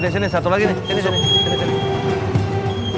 diarahkan ke dalam busolannya